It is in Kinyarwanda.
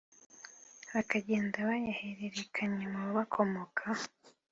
bakagenda bayahererekanya mu babakomokaho